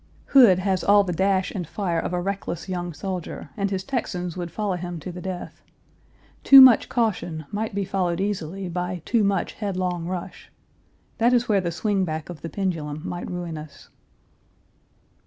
Hood has all the dash end fire of a reckless young soldier, and his Texans would follow him to the death. Too much caution might be followed easily by too much headlong rush. That is where the swing back of the pendulum might ruin us.